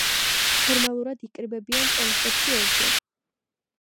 ფორმალურად იკრიბებიან წელიწადში ორჯერ.